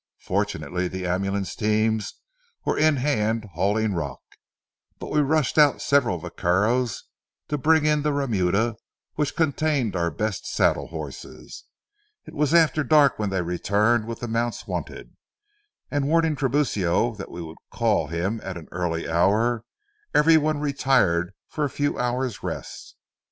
Fortunately the ambulance teams were in hand hauling rock, but we rushed out several vaqueros to bring in the remuda which contained our best saddle horses. It was after dark when they returned with the mounts wanted, and warning Tiburcio that we would call him at an early hour, every one retired for a few hours' rest.